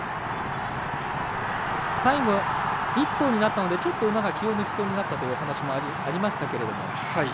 最後、１頭になったのでちょっと馬が気を抜きそうになったという話もありましたけれども。